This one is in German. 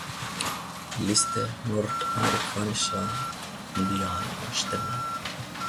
Liste nordamerikanischer Indianerstämme